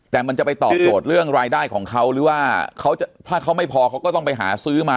แต่มันจะไปตอบโจทย์เรื่องรายได้ของเขาหรือว่าเขาจะถ้าเขาไม่พอเขาก็ต้องไปหาซื้อมา